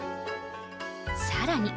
さらに。